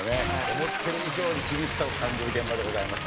思ってる以上に厳しさを感じる現場でございます。